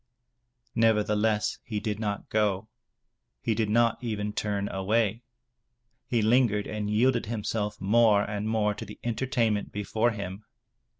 396 THROUGH FAIRY HALLS Nevertheless he did not go, he did not even turn away. He lingered and yielded himself more and more to the entertainment before him.